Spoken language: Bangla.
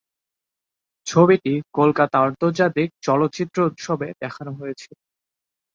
ছবিটি কলকাতা আন্তর্জাতিক চলচ্চিত্র উৎসবে দেখানো হয়েছিল।